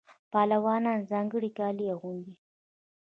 پهلوانان ځانګړي کالي اغوندي.